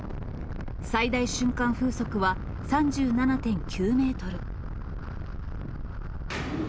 最大瞬間風速は３７．９メートル。